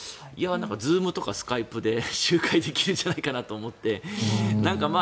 Ｚｏｏｍとかスカイプで集会できるんじゃないかなと思って。